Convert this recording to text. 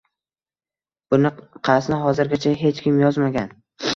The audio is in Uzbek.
Bunaqasini hozirgacha hech kim yozmagan